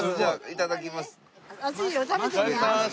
いただきます。